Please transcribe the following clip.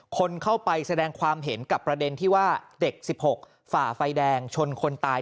คนเข้าไปแสดงความเห็นกับประเด็นที่ว่าเด็ก๑๖ฝ่าไฟแดงชนคนตาย